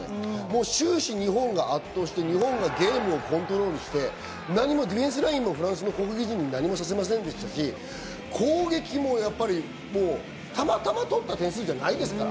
終始日本が圧倒して日本がゲームをコントロールして、ディフェンスラインもフランスの攻撃陣に何もさせませんでしたし、攻撃もたまたま通った点数じゃないですから。